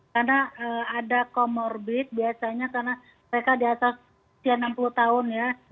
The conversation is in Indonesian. karena ada comorbid biasanya karena mereka di atas enam puluh tahun ya